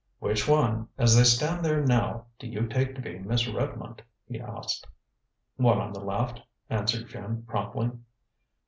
"Which one, as they stand there now, do you take to be Miss Redmond?" he asked. "One on the left," answered Jim promptly.